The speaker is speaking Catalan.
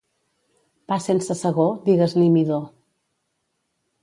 Pa sense segó, digues-li midó.